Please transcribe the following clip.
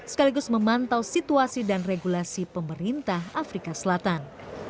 sekaligus memantau situasi dan regulasi pemerintah afrika selatan